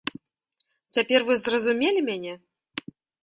Цяпер вы зразумелі мяне?